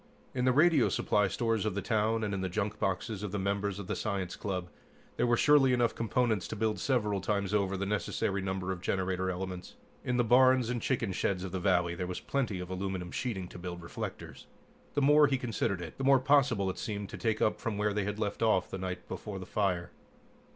In the radio supply stores of the town, and in the junk boxes of the members of the science club, there were surely enough components to build several times over the necessary number of generator elements. In the barns and chicken sheds of the valley there was plenty of aluminum sheeting to build reflectors. The more he considered it, the more possible it seemed to take up from where they had left off the night before the fire.